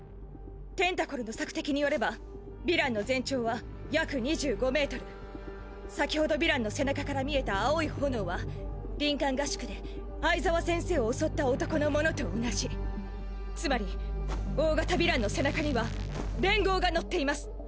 テンタコルの索敵によればヴィランの全長は約２５メートル先程ヴィランの背中から見えた蒼い炎は林間合宿で相澤先生を襲った男のものと同じつまり大型ヴィランの背中には連合が乗っています。